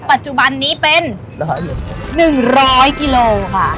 ปัจจุบันนี้เป็น๑๐๐กิโลค่ะ